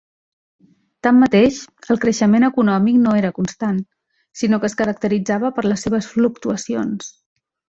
Tanmateix, el creixement econòmic no era constant, sinó que es caracteritzava per les seves fluctuacions.